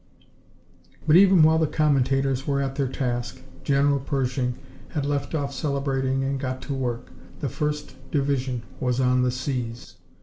But even while the commentators were at their task General Pershing had left off celebrating and got to work. The First Division was on the seas.